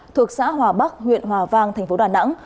thuộc xã hòa bắc huyện hòa vang thành phố đà nẵng